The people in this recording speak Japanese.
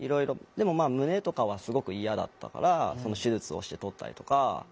でもまあ胸とかはすごく嫌だったから手術をして取ったりとか。